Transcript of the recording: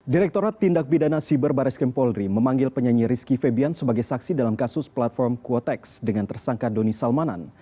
direkturat tindak pidana siber baris krim polri memanggil penyanyi rizky febian sebagai saksi dalam kasus platform quotex dengan tersangka doni salmanan